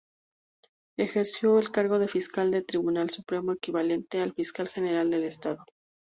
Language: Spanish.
Ejerció el cargo de fiscal del Tribunal Supremo, equivalente al fiscal General del Estado.